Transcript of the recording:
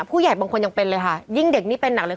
ผู้ใหญ่บางคนยังเป็นเลยค่ะยิ่งเด็กนี่เป็นหนักเลย